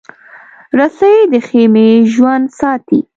رسۍ د خېمې ژوند ساتي.